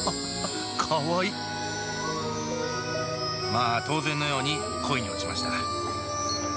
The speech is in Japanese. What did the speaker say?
まあ当然のように恋に落ちました。